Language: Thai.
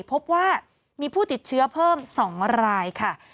พบว่ามีผู้ติดเชื้อเพิ่ม๒รายค่ะ